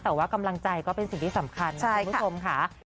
แต่ว่ากำลังใจก็เป็นสิ่งที่สำคัญนะคุณผู้ชมค่ะ